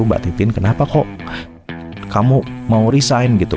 mbak titin kenapa kok kamu mau resign gitu